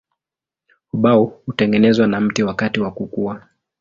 Ubao hutengenezwa na mti wakati wa kukua.